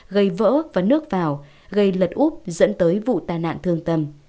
gây vỡ và nước vào gây lật úp dẫn tới vụ tai nạn thương tâm